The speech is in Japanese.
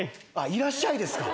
いらっしゃいですか。